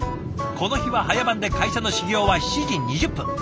この日は早番で会社の始業は７時２０分。